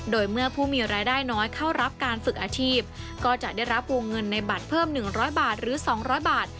โดยเมื่อผู้มีรายได้น้อยเข้ารับการฝึกอาชีพก็จะได้รับวงเงินในบัตรเพิ่ม๑๐๐บาทหรือ๒๐๐บาท